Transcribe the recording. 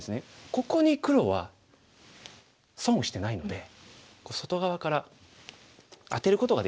ここに黒は損をしてないので外側からアテることができるんですね。